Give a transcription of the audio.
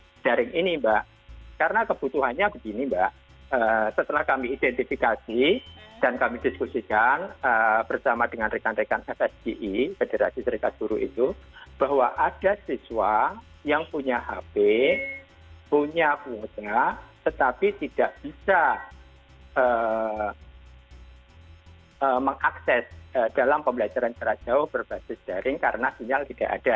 nah dari ini pak karena kebutuhannya begini pak setelah kami identifikasi dan kami diskusikan bersama dengan rekan rekan fsgi kederasi serikat suruh itu bahwa ada siswa yang punya hp punya kuota tetapi tidak bisa mengakses dalam pembelajaran jarak jauh berbasis jaring karena sinyal tidak ada